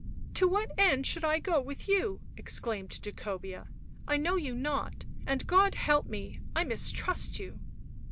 " To what end should I go with you ?" exclaimed Jacobea. " I know you not, and, God help me, I mis trust you."